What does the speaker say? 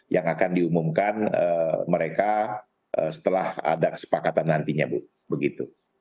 yang akan diumumkan mereka setelah ada kesepakatan nantinya bu begitu